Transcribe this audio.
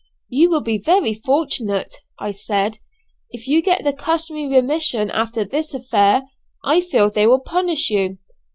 "You will be very fortunate," I said, "if you get the customary remission after this affair, I fear they will punish you?"